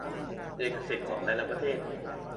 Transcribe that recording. เอกสิทธิ์ของแต่ละประเทศ